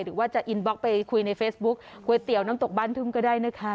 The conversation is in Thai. หรือว่าจะอินบล็อกไปคุยในเฟซบุ๊คก๋วยเตี๋ยวน้ำตกบ้านทุ่งก็ได้นะคะ